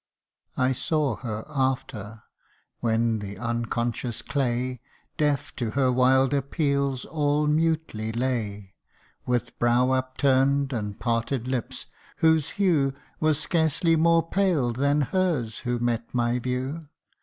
I saw her after, when the unconscious clay, Deaf to her wild appeals, all mutely lay, With brow upturn'd, and parted lips, whose hue Was scarce more pale than hers, who met my view.